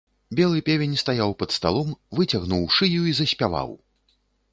Белы певень стаяў пад сталом, выцягнуў шыю і заспяваў.